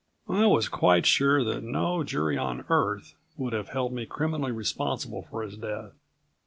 I was quite sure that no jury on Earth would have held me criminally responsible for his death.